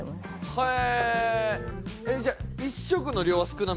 へえ。